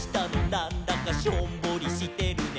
なんだかしょんぼりしてるね」